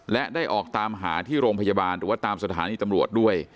และได้ออกตามหาที่โรงพยาบาลหรือว่าตามสถานีตำรวจด้วย